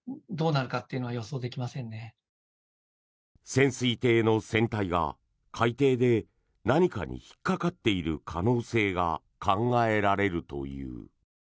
潜水艇の船体が海底で何かに引っかかっている可能性が考えられるという。